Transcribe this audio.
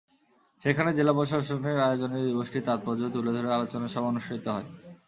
সেখানে জেলা প্রশাসনের আয়োজনে দিবসটির তাৎপর্য তুলে ধরে আলোচনা সভা অনুষ্ঠিত হয়।